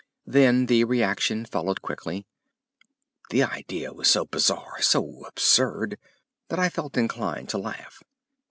Then the reaction followed quickly. The idea was so bizarre, so absurd, that I felt inclined to laugh.